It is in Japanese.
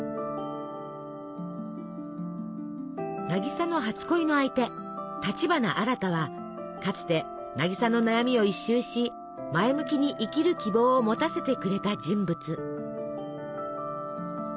渚の初恋の相手立花アラタはかつて渚の悩みを一蹴し前向きに生きる希望を持たせてくれた人物。